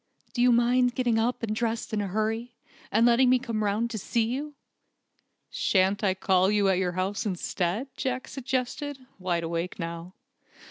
Do you mind getting up and dressing in a hurry, and letting me come round to see you?" "Shan't I call at your house instead?" Jack suggested, wide awake now.